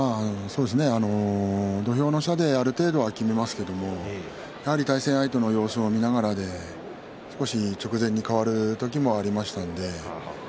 土俵の下である程度は決めますけれど対戦相手の様子を見ながらで直前に変わる時もありましたね。